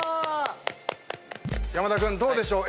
山田君どうでしょう？